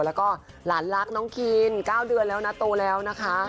แล้วก็หลานรักน้องคีน๙เดือนแล้วนะโตแล้วนะคะ